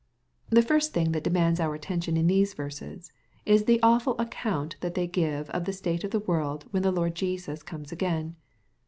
The first thing that demands our attention in these verses, is the awful account that they give of the state of the world when the Lord Jesus comes again.